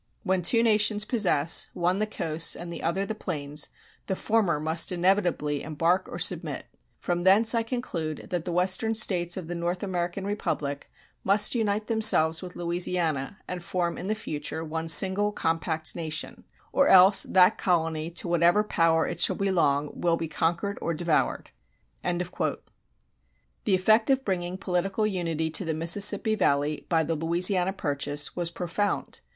... When two nations possess, one the coasts and the other the plains, the former must inevitably embark or submit. From thence I conclude that the Western States of the North American republic must unite themselves with Louisiana and form in the future one single compact nation; or else that colony to whatever power it shall belong will be conquered or devoured. The effect of bringing political unity to the Mississippi Valley by the Louisiana Purchase was profound.